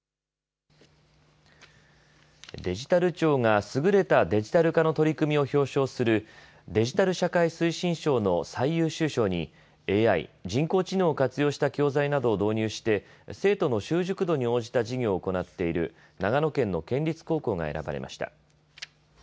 デジタル庁が優れたデジタル化の取り組みを表彰するデジタル社会推進賞の最優秀賞にＡＩ・人工知能を活用した教材などを導入して生徒の習熟度に応じた授業を行っている長野県の県立高校が選ばれました。